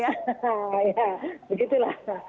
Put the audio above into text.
ya begitu lah